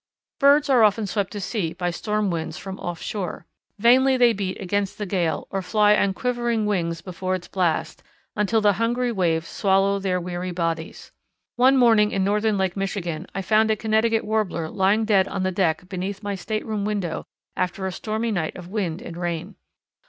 Birds are often swept to sea by storm winds from off shore. Vainly they beat against the gale or fly on quivering wings before its blast, until the hungry waves swallow their weary bodies. One morning in northern Lake Michigan I found a Connecticut Warbler lying dead on the deck beneath my stateroom window after a stormy night of wind and rain.